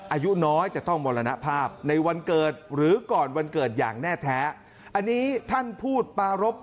อายุน้อยจะต้องมรณภาพในวันเกิดหรือก่อนวันเกิดอย่างแน่แท้อันนี้ท่านพูดปารพ